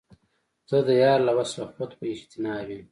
زه د یار له وصله خود په اجتناب یم